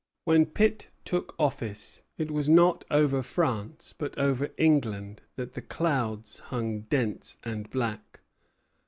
When Pitt took office it was not over France, but over England that the clouds hung dense and black.